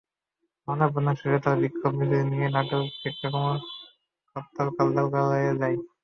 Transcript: মানববন্ধন শেষে তারা বিক্ষোভ মিছিল নিয়ে নাটোর শিক্ষা কর্মকর্তার কার্যালয়ে যায়।